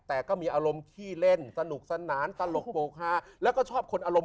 แต่ก็มีอารมณ์ขี้เล่นสนุกสนานตลกโปรกฮาแล้วก็ชอบคนอารมณ์